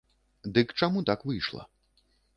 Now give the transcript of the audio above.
Дык чаму так выйшла?